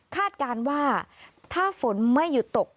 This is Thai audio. การว่าถ้าฝนไม่หยุดตก